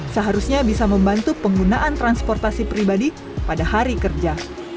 seharusnya bisa membantu penggunaan transportasi pribadi pada hari kerja